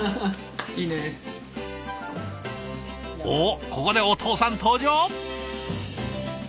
おっここでお父さん登場？